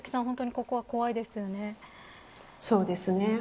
本当に、ここは怖いですね。